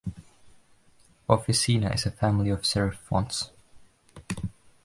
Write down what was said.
Officina is a family of serif fonts.